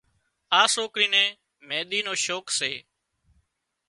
آ سوڪري نين مينۮِي نو شوق سي